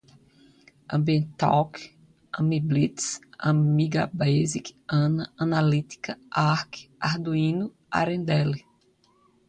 ambienttalk, amiblitz, amigabasic, ana, analytica, arc, arduino, arendelle